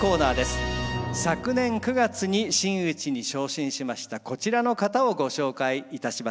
昨年９月に真打に昇進しましたこちらの方をご紹介いたしましょう。